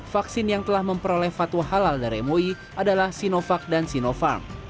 vaksin yang telah memperoleh fatwa halal dari mui adalah sinovac dan sinovac